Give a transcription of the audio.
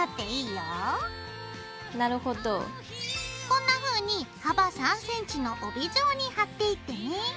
こんなふうに幅３ｃｍの帯状に貼っていってね。